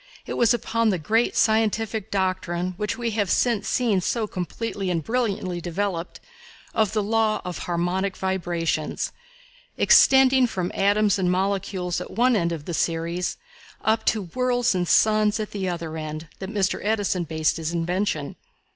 It was upon the great scientific doctrine, which we have since seen so completely and brilliantly developed, of the law of harmonic vibrations, extending from atoms and molecules at one end of the series up to worlds and suns at the other end, that Mr. Edison based his invention.